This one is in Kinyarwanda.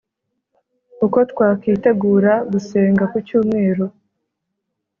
Uko twakwitegura gusenga kucyumweru